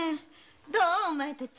どうお前たち？